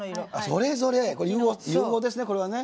それぞれの色ですね。